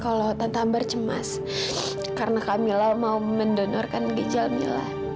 kalau tante ambar cemas karena kak mila mau mendonorkan ginjal mila